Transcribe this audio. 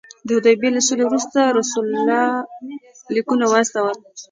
د حدیبیې له سولې وروسته رسول الله لیکونه واستول.